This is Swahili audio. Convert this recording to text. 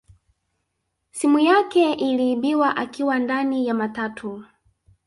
Simu yake iliibiwa akiwa ndani ya matatu